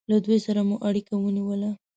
له دوی سره مو اړیکه ونیوله.